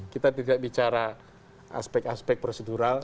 kita tidak bicara aspek aspek prosedural